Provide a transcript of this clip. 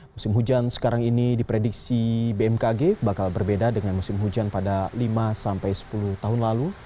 musim hujan sekarang ini diprediksi bmkg bakal berbeda dengan musim hujan pada lima sampai sepuluh tahun lalu